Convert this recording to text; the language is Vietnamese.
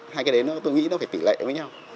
hai cái đấy tôi nghĩ nó phải tỷ lệ với nhau